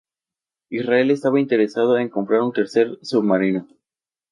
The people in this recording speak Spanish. Israel estaba interesado en comprar un tercer submarino.